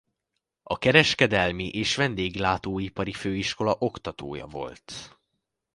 A Kereskedelmi és Vendéglátóipari Főiskola oktatója volt.